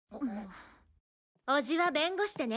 おじは弁護士でね